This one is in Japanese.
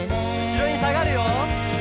「後ろにさがるよ」